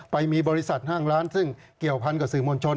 ไปมีบริษัทห้างร้านซึ่งเกี่ยวพันกับสื่อมวลชน